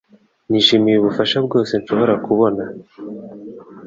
Nishimiye ubufasha bwose nshobora kubona